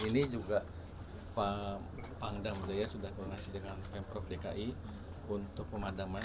ini juga pak pangdam jaya sudah koordinasi dengan pemprov dki untuk pemadaman